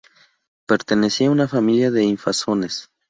Pertenecía a una familia de infanzones.